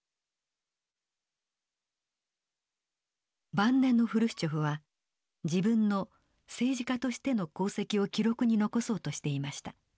晩年のフルシチョフは自分の政治家としての功績を記録に残そうとしていました。